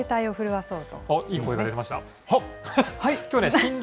いい声が出てました。